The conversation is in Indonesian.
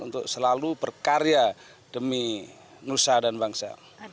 untuk selalu berkarya demi nusa dan bangsa